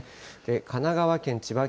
神奈川県、千葉県